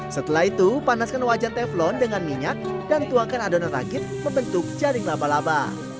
setelah itu panaskan wajan teflon dengan minyak dan tuangkan adonan ragit membentuk jaring laba laba